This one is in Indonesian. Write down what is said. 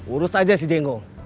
urus aja si dengo